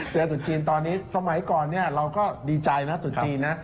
เดี๋ยวสุชชีนตอนนี้สมัยก่อนเราก็ดีใจนะสุชชีน